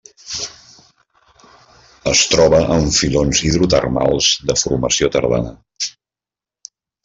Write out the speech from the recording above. Es troba en filons hidrotermals de formació tardana.